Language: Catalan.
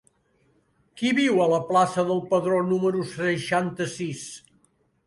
Qui viu a la plaça del Pedró número seixanta-sis?